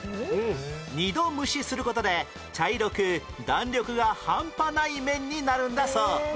二度蒸しする事で茶色く弾力がハンパない麺になるんだそう